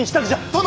殿！